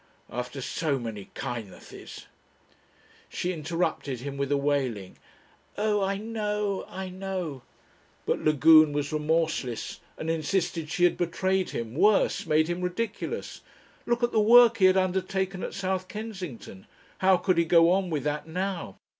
"After so many kindnesses " She interrupted him with a wailing, "Oh, I know I know." But Lagune was remorseless and insisted she had betrayed him, worse made him ridiculous! Look at the "work" he had undertaken at South Kensington how could he go on with that now?